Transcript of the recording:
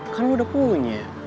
kan lo udah punya